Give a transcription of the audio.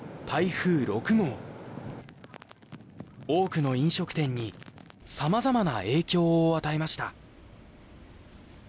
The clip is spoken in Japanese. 多くの飲食店に様々な影響を与えました。